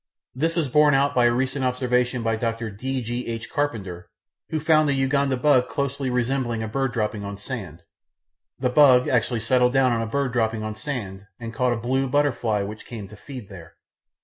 This is borne out by a recent observation by Dr. D. G. H. Carpenter, who found a Uganda bug closely resembling a bird dropping on sand. The bug actually settled down on a bird dropping on sand, and caught a blue butterfly which came to feed there!